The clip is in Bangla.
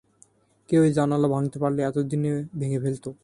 কেউ ওই জানালা ভাঙতে পারলে, এতোদিনে ভেঙে ফেলতো।